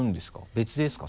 別ですか？